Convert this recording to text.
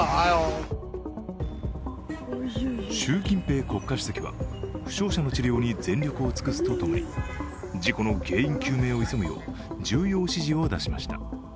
習近平国家主席は、負傷者の治療に全力を尽くすとともに事故の原因究明を急ぐよう重要指示を出しました。